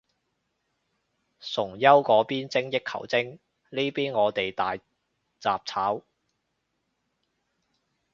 崇優嗰邊精益求精，呢邊我哋大雜炒